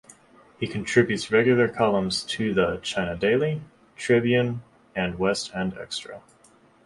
He contributes regular columns to the "China Daily", "Tribune" and "West End Extra".